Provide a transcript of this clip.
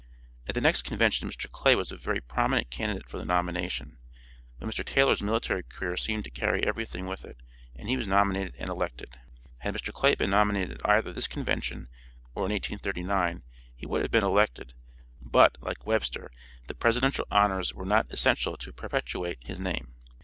At the next convention Mr. Clay was a very prominent candidate for the nomination, but Mr. Taylor's military career seemed to carry everything with it and he was nominated and elected. Had Mr. Clay been nominated at either this convention or in 1839 he would have been elected, but like Webster, the presidential honors were not essential to perpetuate his name.